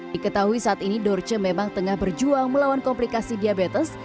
diketahui saat ini dorce memang tengah berjuang melawan komplikasi diabetes